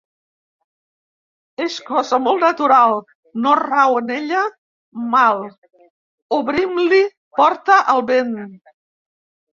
És cosa molt natural, no rau en ella mal: obrim-li porta al vent.